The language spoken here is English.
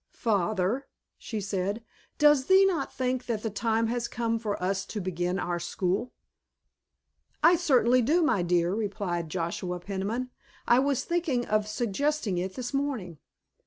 "Father," she said, "does thee not think that the time has come for us to begin our school?" "I certainly do, my dear," replied Joshua Peniman. "I was thinking of suggesting it this morning.